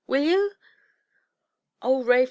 Will you?'' "Oh, Rafe!